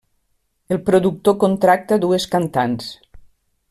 El productor contracta dues cantants.